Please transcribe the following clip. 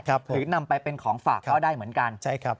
หรือนำไปเป็นของฝากก็ได้เหมือนกัน